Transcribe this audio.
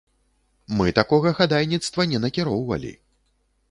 Мы такога хадайніцтва не накіроўвалі.